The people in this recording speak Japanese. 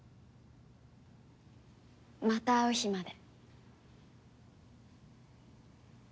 「またう日まで」。